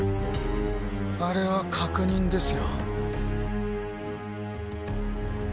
あれは確認ですよ。